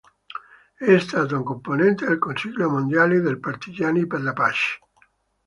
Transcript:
È stato componente del Consiglio Mondiale dei partigiani per la pace.